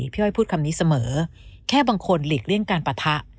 พี่อ้อยพูดคำนี้เสมอแค่บางคนหลีกเลี่ยงการปะทะ